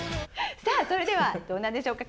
さあそれではどうなんでしょうか。